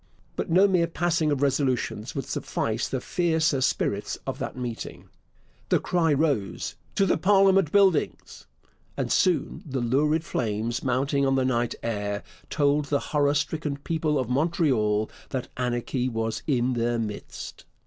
But no mere passing of resolutions would suffice the fiercer spirits of that meeting. The cry arose 'To the Parliament Buildings!' and soon the lurid flames mounting on the night air told the horror stricken people of Montreal that anarchy was in their midst.